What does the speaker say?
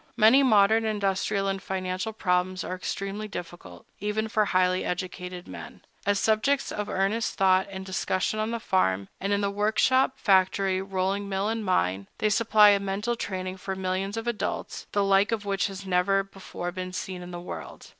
Many modern industrial and financial problems are extremely difficult, even for highly educated men. As subjects of earnest thought and discussion on the farm, and in the work shop, factory, rolling mill, and mine, they supply a mental training for millions of adults, the like of which has never before been seen in the world.